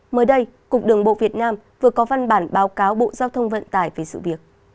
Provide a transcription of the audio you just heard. mới đây cục đường bộ việt nam vừa có văn bản báo cáo bộ giao thông vận tải về sự việc